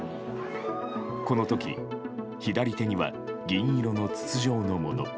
この時、左手には銀色の筒状のもの